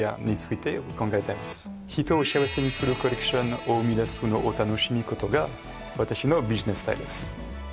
人を幸せにするコレクションを生みだすのを楽しむことが私のビジネススタイルです。